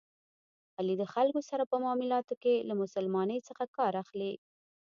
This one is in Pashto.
علي د خلکو سره په معاملاتو کې له مسلمانی څخه کار اخلي.